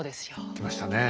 きましたねえ。